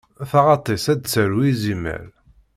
Taɣaṭ-is ad d-tarew izimer.